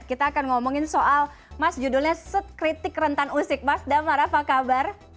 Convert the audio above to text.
kita akan ngomongin soal mas judulnya sekritik rentan usik mas damar apa kabar